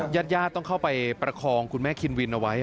ญาติญาติต้องเข้าไปประคองคุณแม่คินวินเอาไว้